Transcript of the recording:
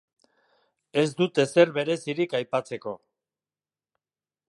Ez dut ezer berezirik aipatzeko.